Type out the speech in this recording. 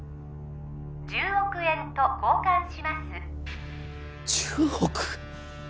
１０億円と交換します１０億？